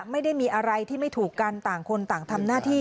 ไม่ได้มีอะไรที่ไม่ถูกกันต่างคนต่างทำหน้าที่